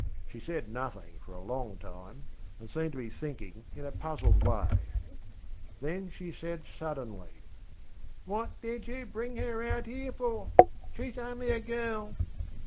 She said nothing for a long time, and seemed to be thinking in a puzzled way. Then she said suddenlyŌĆö ŌĆśWhat did you bring her here for? SheŌĆÖs only a girl.